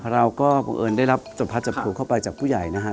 เราก็บังเงินได้รับหัวผุเข้าไปจากผู้ใหญ่นะฮะ